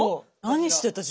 何してた？